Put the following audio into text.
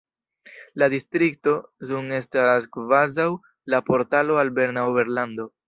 La distrikto Thun estas kvazaŭ la portalo al Berna Oberlando.